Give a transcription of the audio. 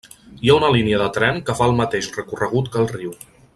Hi ha una línia de tren que fa el mateix recorregut que el riu.